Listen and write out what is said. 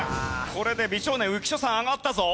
これで美少年浮所さん上がったぞ。